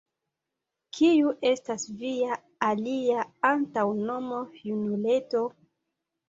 kiu estas via alia antaŭnomo, junuleto?